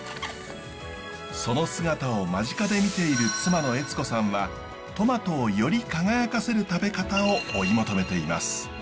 その姿を間近で見ている妻の悦子さんはトマトをより輝かせる食べ方を追い求めています。